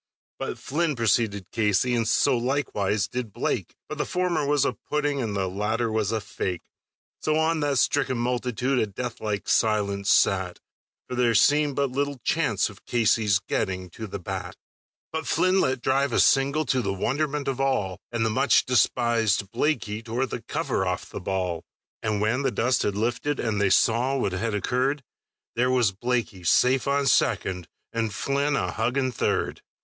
But Flynn preceded Casey, and so likewise did Blake, But the former was a pudding, and the latter was a fake; So on that stricken multitude a death like silence sat, For there seemed but little chance of Casey's getting to the bat. But Flynn let drive a single to the wonderment of all, And the much despisèd Blaikie tore the cover off the ball; And when the dust had lifted, and they saw what had occurred, There was Blaikie safe on second and Flynn a hugging third!